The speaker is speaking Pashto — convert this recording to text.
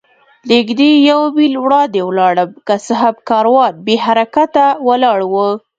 نږدې یو میل وړاندې ولاړم، که څه هم کاروان بې حرکته ولاړ و.